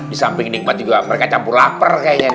di samping nikmat juga mereka campur lapar kayaknya